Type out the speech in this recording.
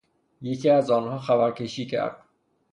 یکی از آنها خبرکشی کرد.